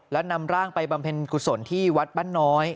แล้วนำร่างไปบำเพ็ญกุศลที่วัดบ้านน้อย